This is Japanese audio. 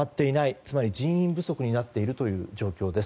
つまり人員不足になっている状況です。